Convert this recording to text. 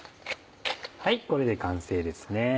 これで完成ですね。